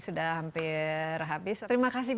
sudah hampir habis terima kasih